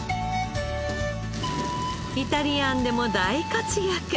イタリアンでも大活躍！